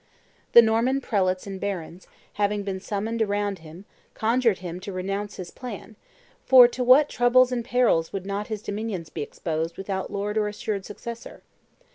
The Norman prelates and barons, having been summoned around him, conjured him to renounce his plan; for to what troubles and perils would not his dominions be exposed without lord or assured successor?